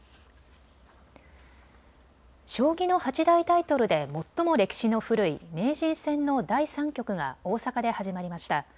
将棋の八大タイトルで最も歴史の古い名人戦の第３局が大阪で始まりました。